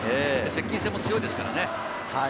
接近戦も強いですからね。